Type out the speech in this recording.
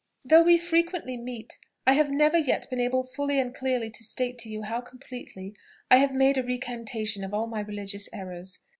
"Though we frequently meet, I have never yet been able fully and clearly to state to you how completely I have made a recantation of all my religious errors.